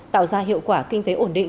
tạo ra hiệu quả kinh tế ổn định